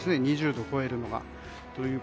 ２０度を超えるのが。